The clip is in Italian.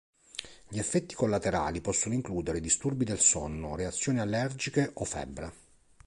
Gli effetti collaterali possono includere disturbi del sonno, reazioni allergiche, o febbre.